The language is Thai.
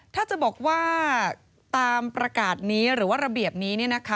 ถ้าจะบอกว่าตามประกาศนี้หรือว่าระเบียบนี้